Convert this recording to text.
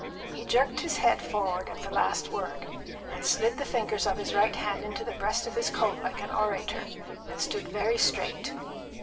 He jerked his head forward at the last word, and slid the fingers of his right hand into the breast of his coat like an orator, and stood very straight.